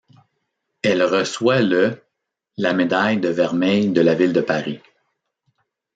Elle reçoit le la médaille de Vermeil de la Ville de Paris.